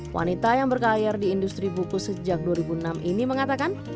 wanita yang berkalir di industri buku sejak dua ribu enam ini mengatakan